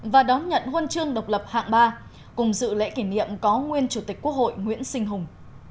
và đón nhận huân chương độc lập hạng ba cùng dự lễ kỷ niệm có nguyên chủ tịch quốc hội nguyễn sinh hùng